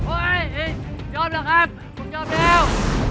โอ๊ยยอมแล้วครับผมยอมแล้ว